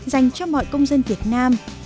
dành cho mọi công dân việt nam